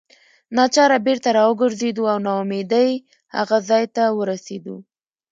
ناچاره بیرته راوګرځېدو او نا امیدۍ هغه ځای ته ورسېدو.